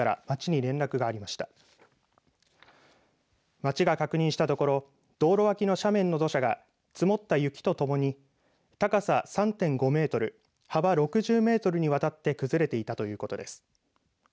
町が確認したところ道路脇の斜面の土砂が積もった雪とともに高さ３．５メートル幅６０メートルにわたって崩れていたということです。